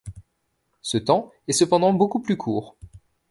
Ce temps est cependant beaucoup plus court.